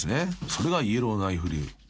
［それがイエローナイフ流］